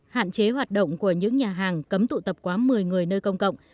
hạn chế hoạt động của những nhà hàng cấm tụ tập quá một mươi người nơi công cộng